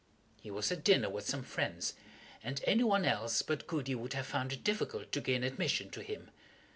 He was at dinner with some friends, and any one else but Goody would have found it difficult to gain admission to him.